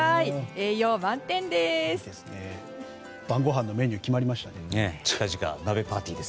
栄養満点です！